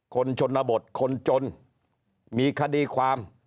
ชนบทคนจนมีคดีความ